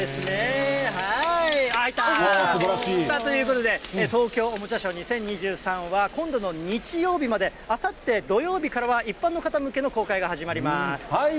ということで、東京おもちゃショー２０２３は、今度の日曜日まで、あさって土曜日からは一般の方向けの公開が始まります。